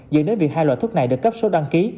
dựa đến việc hai loại thuốc này được cấp số đăng ký